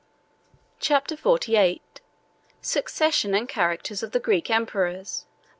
Chapter XLVIII: Succession And Characters Of The Greek Emperors.